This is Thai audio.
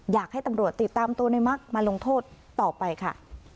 อยากให้ตำรวจติดตามตัวในมักมาลงโทษต่อไปค่ะ